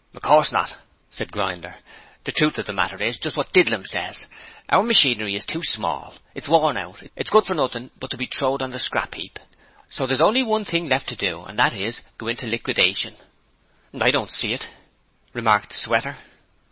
'Of course not,' said Grinder. 'The truth of the matter is just wot Didlum says. Our machinery is too small, it's worn hout, and good for nothing but to be throwed on the scrap heap. So there's only one thing left to do and that is go into liquidation.' 'I don't see it,' remarked Sweater.